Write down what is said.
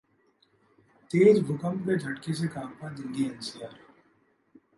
तेज भूकंप के झटके से कांपा दिल्ली-एनसीआर